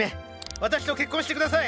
私と結婚して下さい。